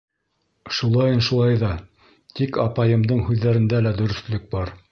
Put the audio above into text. Шулайын шулай ҙа, тик апайымдың һүҙҙәрендә лә дөрөҫлөк бар.